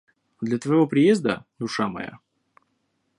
Для твоего приезда, душа моя.